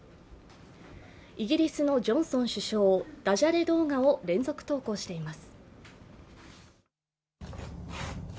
イギリスのジョンソン首相、ダジャレ動画を連続投稿しています。